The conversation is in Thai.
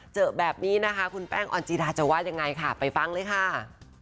เจอแบบนี้นะคะคุณแป้งออนจีราจะว่ายังไงค่ะไปฟังเลยค่ะ